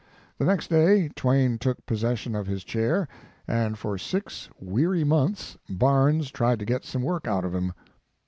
The next day Twain took possession of his chair, and for six weary months Barnes tried to get some work cut of him.